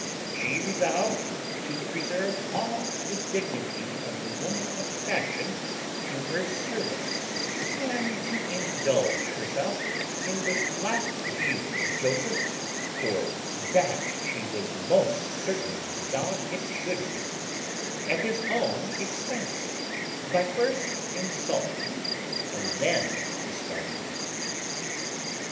She resolved to preserve all the dignity of the woman of fashion to her servant, and to indulge herself in this last view of Joseph (for that she was most certainly resolved it should be) at his own expense, by first insulting and then discarding him.